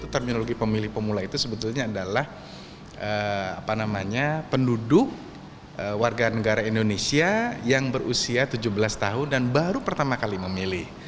terminologi pemilih pemula itu sebetulnya adalah penduduk warga negara indonesia yang berusia tujuh belas tahun dan baru pertama kali memilih